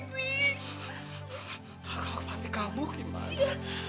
kalau papi kabur gimana